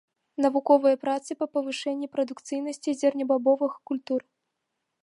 Навуковыя працы па павышэнні прадукцыйнасці зернебабовых культур.